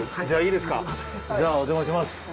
じゃあおじゃまします。